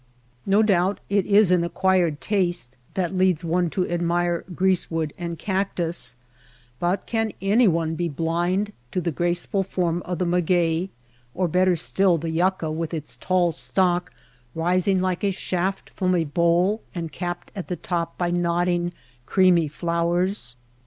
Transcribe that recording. No doubt it is an acquired taste that leads one to admire greasewood and cactus ; but can anyone be blind to the graceful form of the maguey, or better still, the yucca with its tall stalk rising like a shaft from a bowl and capped at the top by nodding creamy flowers